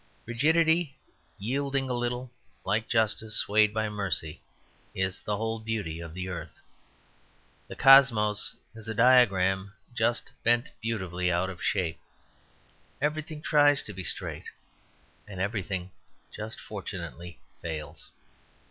Rigidity yielding a little, like justice swayed by mercy, is the whole beauty of the earth. The cosmos is a diagram just bent beautifully out of shape. Everything tries to be straight; and everything just fortunately fails.